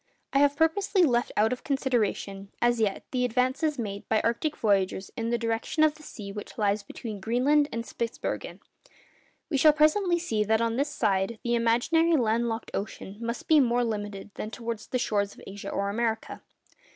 I have purposely left out of consideration, as yet, the advances made by arctic voyagers in the direction of the sea which lies between Greenland and Spitzbergen. We shall presently see that on this side the imaginary land locked ocean must be more limited than towards the shores of Asia or America.